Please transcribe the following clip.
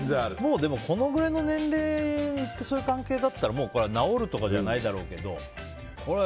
でも、このぐらいの年齢にいってそういう関係だったらこれは直るとかじゃないだろうけど。